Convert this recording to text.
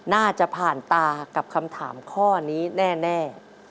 น่าจะผ่านตากับคำถามข้อนี้แน่